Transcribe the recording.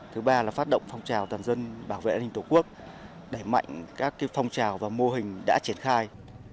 thứ ba là phát động phong trào toàn dân bảo vệ hình tổ quốc đẩy mạnh các phong trào và mô hình đã triển khai